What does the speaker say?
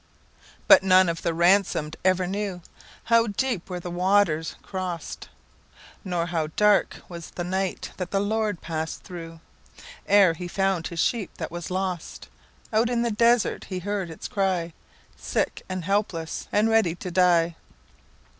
But none of the ransom'd ever knewHow deep were the waters cross'd, Nor how dark was the night that the Lord pass'd throughEre he found his sheep that was lost. Out in the desert he heard its cry—Sick and helpless, and ready to die.